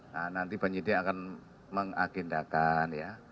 nah nanti pak nyiti akan mengagendakan ya